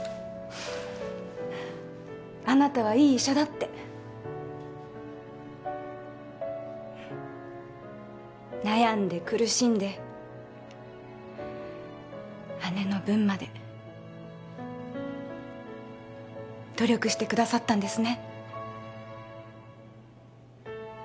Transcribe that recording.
あなたはいい医者だって悩んで苦しんで姉の分まで努力してくださったんですね